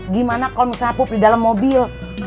gimana kalau misalnya pup di dalam mobil